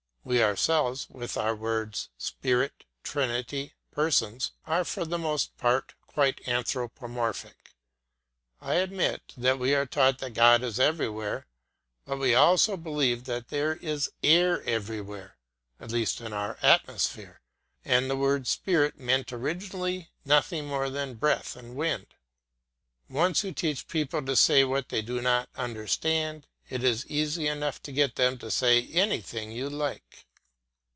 We, ourselves, with our words, Spirit, Trinity, Persons, are for the most part quite anthropomorphic. I admit that we are taught that God is everywhere; but we also believe that there is air everywhere, at least in our atmosphere; and the word Spirit meant originally nothing more than breath and wind. Once you teach people to say what they do not understand, it is easy enough to get them to say anything you like.